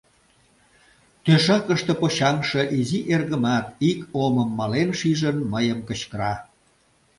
Тӧшакыште почаҥше изи эргымат, ик омым мален шижын, мыйым кычкыра: